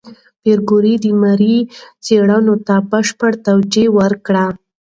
پېیر کوري د ماري څېړنو ته بشپړ توجه ورکړه.